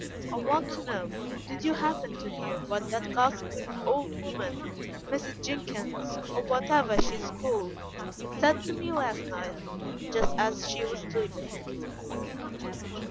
I want to know did you happen to hear what that gossiping old woman, Mrs. Jenkins, or what ever she is called, said to me last night, just as she was leaving?"